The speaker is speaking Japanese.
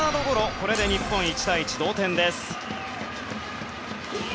これで日本が１対１の同点です。